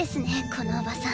このおばさん。